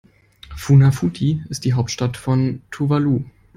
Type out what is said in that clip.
Funafuti ist die Hauptstadt von Tuvalu.